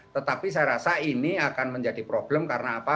tetapi saya rasa ini akan menjadi problem karena apa